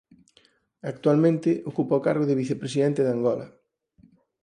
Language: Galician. Actualmente ocupa o cargo de Vicepresidente de Angola.